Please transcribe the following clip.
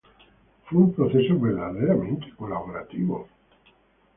Fue un proceso verdaderamente colaborativo.